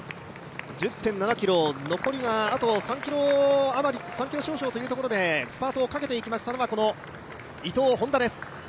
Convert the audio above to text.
１０．７ｋｍ、残りがあと３ｋｍ少々というところでスパートをかけていきましたのは伊藤、Ｈｏｎｄａです。